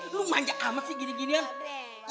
lo manjak amat sih gini ginian